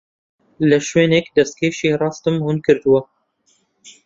لە شوێنێک دەستکێشی ڕاستم ون کردووە.